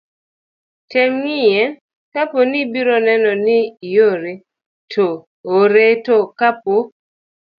tem ng'iye kapo ni ibiro neno ni iore, to ore to kapo